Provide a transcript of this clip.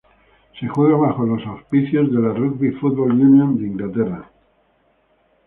Se juega bajo los auspicios de la Rugby Football Union de Inglaterra.